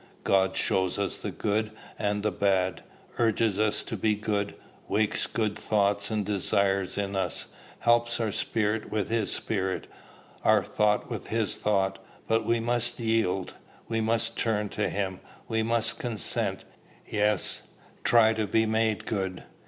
God shows us the good and the bad; urges us to be good; wakes good thoughts and desires in us; helps our spirit with his Spirit, our thought with his thought: but we must yield; we must turn to him; we must consent, yes, try to be made good.